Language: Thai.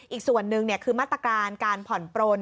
อีกส่วนหนึ่งคือมาตรการการผ่อนปลน